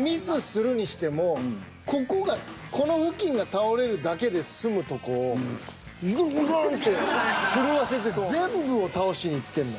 ミスするにしてもここがこの付近が倒れるだけで済むとこをグググン！って震わせて全部を倒しにいってんのよ。